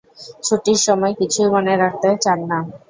ছুটির সময় কিছুই মনে রাখতে চান না।